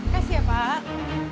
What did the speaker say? kasih ya pak